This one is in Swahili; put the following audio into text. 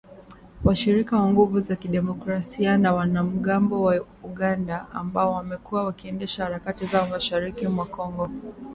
Washirika wa Nguvu za Kidemokrasia ni wanamgambo wa Uganda ambao wamekuwa wakiendesha harakati zao mashariki mwa Kongo